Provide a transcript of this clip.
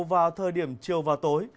vào thời điểm chiều và tối